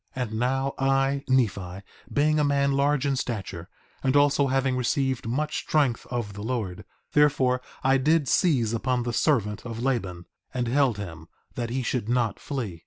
4:31 And now I, Nephi, being a man large in stature, and also having received much strength of the Lord, therefore I did seize upon the servant of Laban, and held him, that he should not flee.